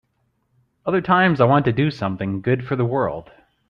Other times I want to do something good for the world.